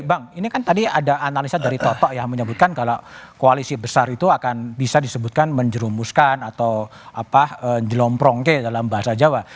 bang ini kan tadi ada analisa dari toto ya menyebutkan kalau koalisi besar itu akan bisa disebutkan menjerumuskan atau nyelomprongke dalam bahasa jawa